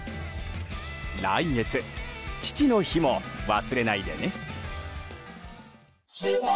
来月、父の日も忘れないでね。